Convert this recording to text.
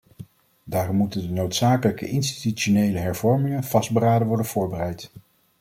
Daarom moeten de noodzakelijke institutionele hervormingen vastberaden worden voorbereid.